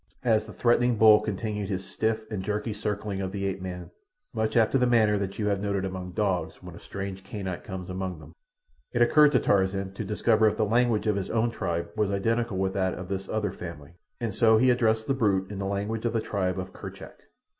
As the threatening bull continued his stiff and jerky circling of the ape man, much after the manner that you have noted among dogs when a strange canine comes among them, it occurred to Tarzan to discover if the language of his own tribe was identical with that of this other family, and so he addressed the brute in the language of the tribe of Kerchak.